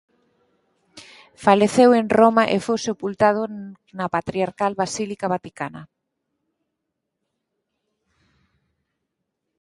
Faleceu en Roma e foi sepultado na Patriarcal Basílica Vaticana.